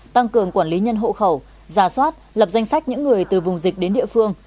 tăng cường quản lý nhân hộ khẩu ra soát lập danh sách những người từ vùng dịch đến địa phương